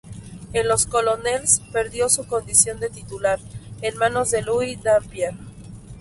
En los Colonels perdió su condición de titular, en manos de Louie Dampier.